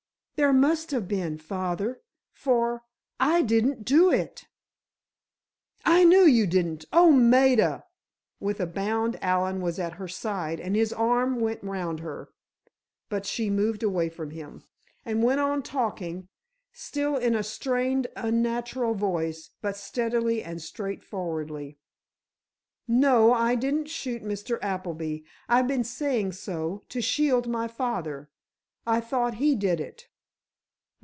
"There must have been, father—for—I didn't do it." "I knew you didn't! Oh, Maida!" With a bound Allen was at her side and his arm went round her. But she moved away from him, and went on talking—still in a strained, unnatural voice, but steadily and straightforwardly. "No; I didn't shoot Mr. Appleby. I've been saying so, to shield my father. I thought he did it."